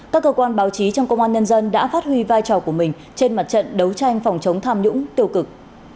các cơ quan báo chí trong công an nhân dân đã phát huy vai trò của mình trên mặt trận đấu tranh phòng chống tham nhũng tiêu cực